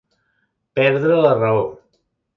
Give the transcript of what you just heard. Perdre la raó.